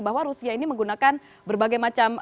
bahwa rusia ini menggunakan berbagai macam